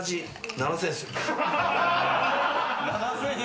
７，０００円！？